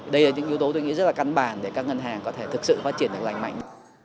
đây là những yếu tố tôi nghĩ rất là căn bản để các ngân hàng có thể thực sự phát triển được lành mạnh